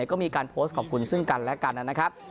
ก็มีการโปสต์ขอบคุณซึ่งกันนะครับ